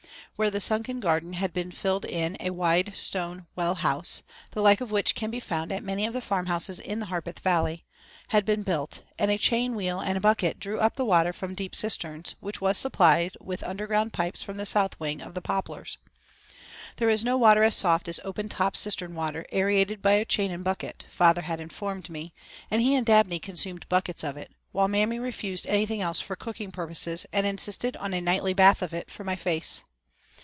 Where the sunken garden had been filled in a wide stone well house, the like of which can be found at many of the farmhouses in the Harpeth Valley, had been built and a chain wheel and bucket drew up the water from the deep cistern, which was supplied with underground pipes from the south wing of the Poplars. "There is no water as soft as open top cistern water, aerated by a chain and bucket," father had informed me, and he and Dabney consumed buckets of it, while Mammy refused anything else for cooking purposes and insisted on a nightly bath of it for my face.